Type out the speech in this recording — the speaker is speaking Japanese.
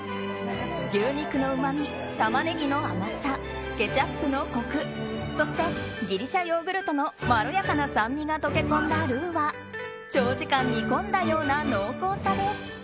牛肉のうまみ、タマネギの甘さケチャップのコクそしてギリシャヨーグルトのまろやかな酸味が溶け込んだルーは長時間煮込んだような濃厚さです。